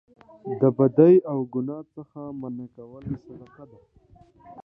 د بدۍ او ګناه څخه منع کول صدقه ده